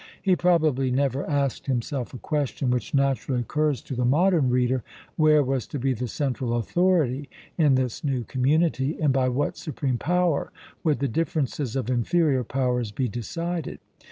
He probably never asked himself a question, which naturally occurs to the modern reader, where was to be the central authority in this new community, and by what supreme power would the differences of inferior powers be decided.